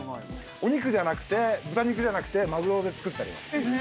お肉じゃなくて豚肉じゃなくてマグロで作ってあります。